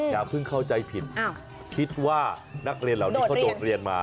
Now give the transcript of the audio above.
อย่าเพิ่งเข้าใจผิดคิดว่านักเรียนเหล่านี้เขาโดดเรียนมา